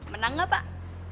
menang gak pak